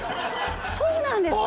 そうなんですか！？